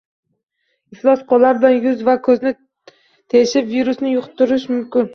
Iflos qo'llar bilan yuz va ko'zni teshib virusni yuqtirish mumkin;